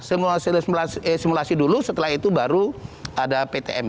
simulasi dulu setelah itu baru ada ptm